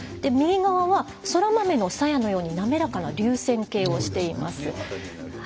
右側は、そら豆のさやのように滑らかな流線型をしています。